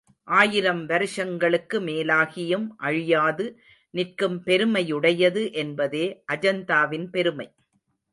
ஆயிரம் வருஷங்களுக்கு மேலாகியும் அழியாது நிற்கும் பெருமையுடையது என்பதே அஜந்தாவின் பெருமை.